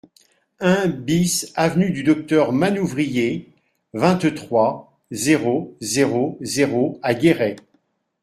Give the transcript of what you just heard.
un BIS avenue du Docteur Manouvrier, vingt-trois, zéro zéro zéro à Guéret